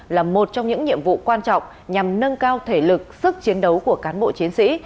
là một trong những nhiệm vụ quan trọng nhằm nâng cao thể lực sức chiến đấu của cán bộ chiến sĩ